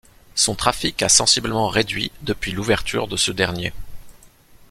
Son trafic a sensiblement réduit depuis l'ouverture de ce dernier.